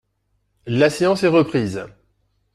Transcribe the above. La séance est reprise.